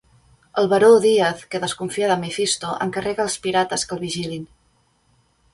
El Baró Díaz, que desconfia de Mefisto, encarrega als pirates que el vigilin.